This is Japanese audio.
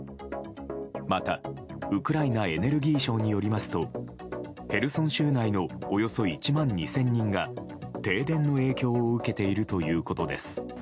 また、ウクライナエネルギー省によりますとヘルソン州内のおよそ１万２０００人が停電の影響を受けているということです。